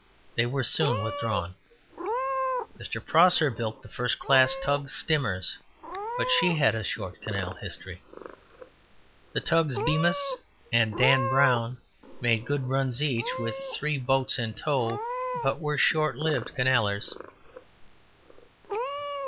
They were soon withdrawn. Mr. Prosser built the first class tug, Stimers, but she had a short canal history. The tugs, Bemis and Dan Brown, made good runs each, with three boats in tow, but were short lived canallers.